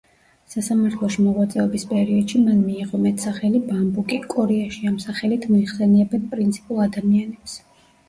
სასამართლოში მოღვაწეობის პერიოდში მან მიიღო მეტსახელი „ბამბუკი“, კორეაში ამ სახელით მოიხსენიებენ პრინციპულ ადამიანებს.